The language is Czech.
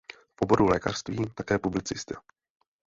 V oboru lékařství také publicista.